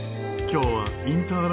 今日はインター